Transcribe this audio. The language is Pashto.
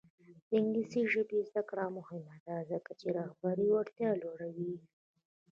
د انګلیسي ژبې زده کړه مهمه ده ځکه چې رهبري وړتیا لوړوي.